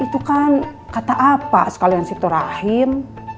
itu kan kata apa sekalian si torahim